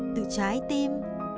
từ trái tim